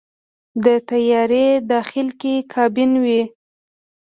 د طیارې داخل کې کابین وي.